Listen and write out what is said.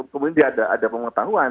kemudian dia ada pengetahuan